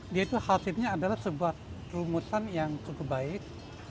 dia itu hasilnya adalah sebuah rumusan yang cukup baik